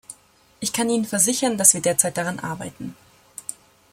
Ich kann Ihnen versichern, dass wir derzeit daran arbeiten.